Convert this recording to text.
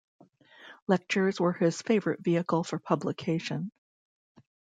Lectures were his favourite vehicle for publication.